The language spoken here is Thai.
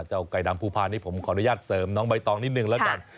ไก่ดำภูพานี้ผมขออนุญาตเสริมน้องใบตองนิดนึงแล้วกัน